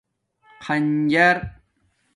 خنجر